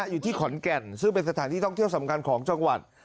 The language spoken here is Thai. อยู่ที่ขอนแก่นซึ่งเป็นสถานที่ท่องเที่ยวสำคัญของจังหวัด